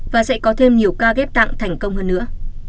và sẽ có thêm nhiều ca ghép tặng thành công hơn nữa